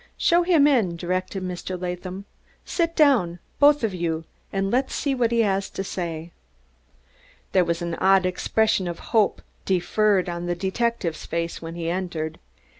"Show him in," directed Mr. Latham. "Sit down, both of you, and let's see what he has to say." There was an odd expression of hope deferred on the detective's face when he entered.